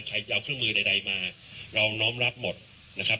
ใครยาวเครื่องมือใดใดมาเราน้องน้องรับหมดนะครับ